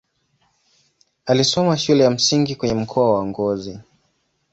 Alisoma shule ya msingi kwenye mkoa wa Ngozi.